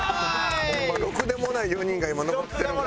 ホンマろくでもない４人が今残ってるから。